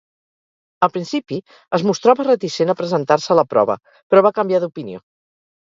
Al principi, es mostrava reticent a presentar-se a la prova, però va canviar d'opinió.